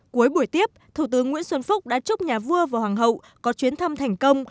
cuối buổi tiếp thủ tướng nguyễn xuân phúc đã chúc nhà vua và hoàng hậu có chuyến thăm thành công